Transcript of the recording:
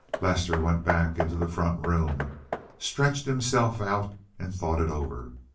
Lester went back into the front room, stretched himself out and thought it over.